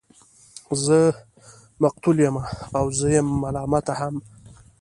زه مقتول يمه او زه يم ملامت هم